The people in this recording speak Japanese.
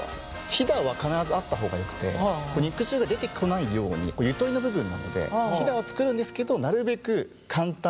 ひだは必ずあった方がよくて肉汁が出てこないようにゆとりの部分なのでひだは作るんですけどなるべく簡単に。